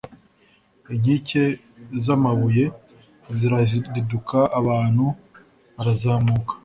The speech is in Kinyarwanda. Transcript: Inkike z’amabuye zirariduka abantu barazamuka